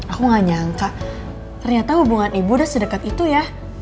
aku gak nyangka ternyata hubungan ibu udah sedekat itu ya